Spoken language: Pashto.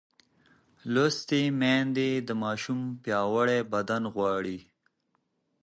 لوستې میندې د ماشوم پیاوړی بدن غواړي.